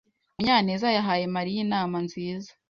Munyaneza yahaye Mariya inama nziza.